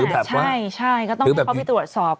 ใช่ก็ต้องให้เขาไปตรวจสอบ